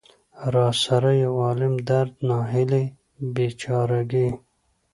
را سره يو عالم درد، ناهيلۍ ،بېچاره ګۍ.